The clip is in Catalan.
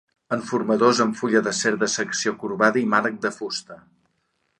Enformadors, amb fulla d'acer de secció corbada i mànec de fusta.